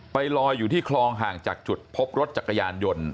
ลอยอยู่ที่คลองห่างจากจุดพบรถจักรยานยนต์